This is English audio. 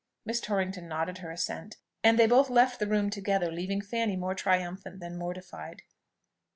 Miss Torrington nodded her assent, and they both left the room together, leaving Fanny more triumphant than mortified.